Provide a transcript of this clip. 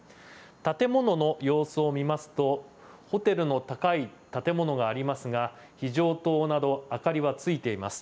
建物の様子を見ますとホテルの高い建物がありますが非常灯など明かりはついてます。